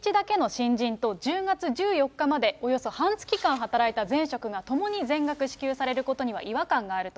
１日だけの新人と、１０月１４日までおよそ半月間働いた前職がともに全額支給されることには違和感があると。